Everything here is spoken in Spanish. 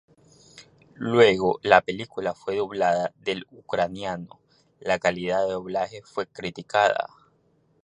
Luego la película fue doblada al ucraniano; la calidad del doblaje fue criticada.